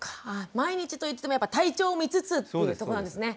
毎日といってもやっぱ体調を見つつっていうとこなんですね？